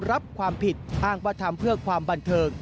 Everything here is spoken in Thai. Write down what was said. รับความผิดอ้างว่าทำเพื่อความบันเทิง